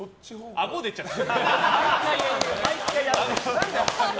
あご出ちゃうわ。